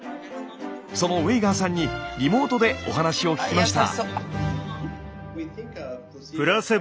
そのウェイガーさんにリモートでお話を聞きました。